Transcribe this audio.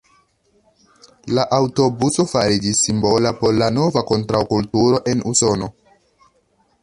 La aŭtobuso fariĝis simbola por la nova kontraŭkulturo en Usono.